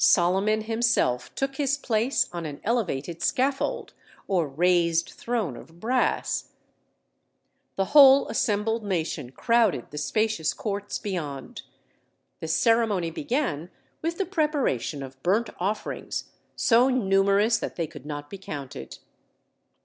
Solomon himself took his place on an elevated scaffold, or raised throne of brass. The whole assembled nation crowded the spacious courts beyond. The ceremony began with the preparation of burnt offerings, so numerous that they could not be counted.